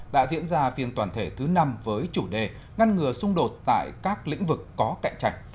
đã diễn ra phiên toàn thể thứ năm với chủ đề ngăn ngừa xung đột tại các lĩnh vực có cạnh trạch